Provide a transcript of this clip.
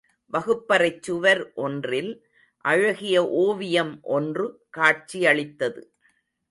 வகுப்பறைச் சுவர் ஒன்றில் அழகிய ஓவியம் ஒன்று காட்சியளித்தது.